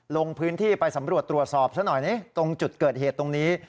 ลงพื้นที่ไปสำรวจตรวจสอบซะหน่อยตรงจุดเกิดเหตุตรงนี้